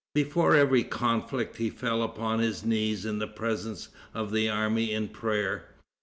Before every conflict he fell upon his knees in the presence of the army in prayer.